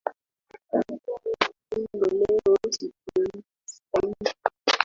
Huu upendo leo, sikuustahili